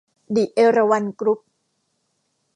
ดิ เอราวัณ กรุ๊ป